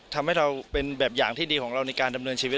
ทำให้เราเป็นแบบอย่างที่ดีของเราในการดำเนินชีวิต